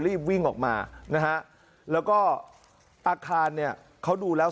รีบวิ่งออกมานะฮะแล้วก็อาคารเนี่ยเขาดูแล้ว